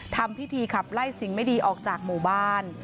ทำพิธีขับไล่สิ่งไม่ดีออกจากหมู่บ้าน